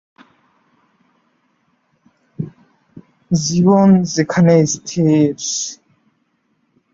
এছাড়াও, রাজ্য দলের নির্বাচকের দায়িত্বে ছিলেন তিনি।